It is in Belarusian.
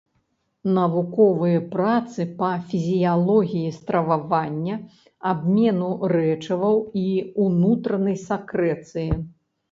Навуковыя працы па фізіялогіі стрававання, абмену рэчываў і ўнутранай сакрэцыі.